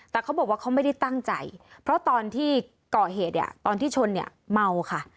แต่เขาบอกว่าเขาไม่ได้ตั้งใจเพราะตอนที่เกาะเหตุตอนที่ชนเมาค่ะ